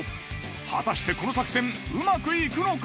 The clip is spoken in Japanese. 果たしてこの作戦うまくいくのか。